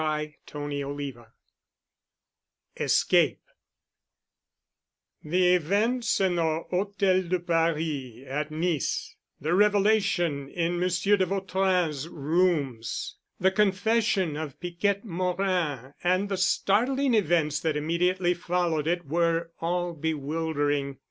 *CHAPTER XXIII* *ESCAPE* The events in the Hôtel de Paris at Nice, the revelation in Monsieur de Vautrin's rooms, the confession of Piquette Morin and the startling events that immediately followed it were all bewildering.